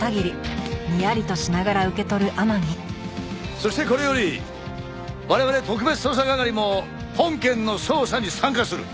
そしてこれより我々特別捜査係も本件の捜査に参加する！